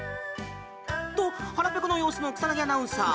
と、腹ペコの様子の草薙アナウンサー。